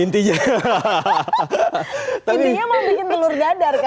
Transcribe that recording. intinya mau bikin telur dadar kan